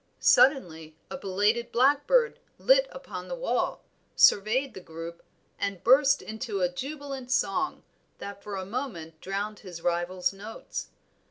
Suddenly a belated blackbird lit upon the wall, surveyed the group and burst into a jubilant song, that for a moment drowned his rival's notes.